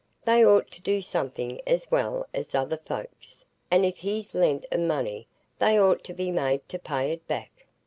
They ought to do something as well as other folks; and if he's lent 'em money, they ought to be made to pay it back."